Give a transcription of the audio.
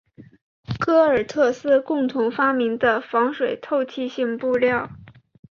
戈尔特斯共同发明的防水透气性布料。